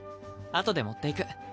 あとで持っていく。